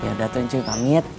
yaudah cuy kamit